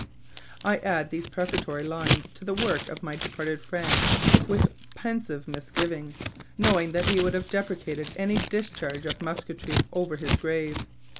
I add these prefatory lines to the work of my departed friend with pensive misgiving, knowing that he would have deprecated any discharge of musketry over his grave.